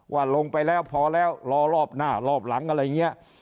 ว่าลงไปแล้วพอแล้วรอรอบหน้ารอบหลังอะไรอย่างนี้